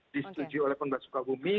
disetujui oleh pemba sukabumi